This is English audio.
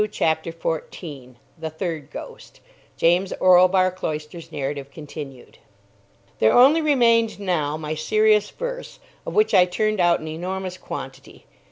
CHAPTER 14 THE THIRD GHOST (James Orlebar Cloyster's narrative continued) There only remained now my serious verse, of which I turned out an enormous quantity.